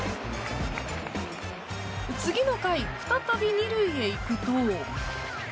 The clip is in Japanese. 次の回、再び２塁へ行くと。